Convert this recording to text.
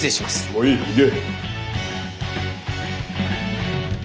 もういい行け。